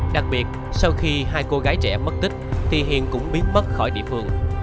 đặc biệt sau khi hai cô gái trẻ mất tích thị hiện cũng biến mất khỏi địa phương